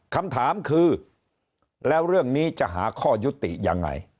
คำถามคือแล้วเรื่องนี้จะหาข้อยุติยังไง